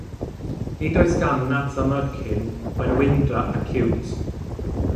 Nid oes gan natamycin wenwyndra acíwt.